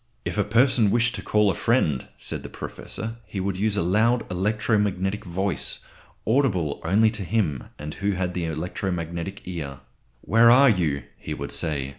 "If a person wished to call to a friend" (said the Professor), "he would use a loud electro magnetic voice, audible only to him who had the electro magnetic ear. "'Where are you?' he would say.